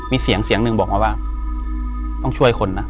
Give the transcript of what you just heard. มีเสียงเสียงหนึ่งบอกมาว่าต้องช่วยคนนะ